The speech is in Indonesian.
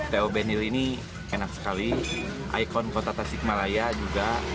t o benhil ini enak sekali ikon kota tasikmalaya juga